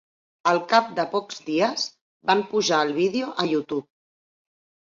Al cap de pocs dies van pujar el vídeo a YouTube.